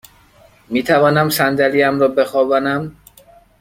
می توانم صندلی ام را بخوابانم؟